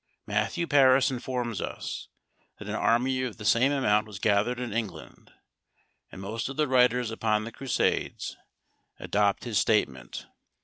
Matthew Paris informs us, that an army of the same amount was gathered in England; and most of the writers upon the Crusades adopt his statement.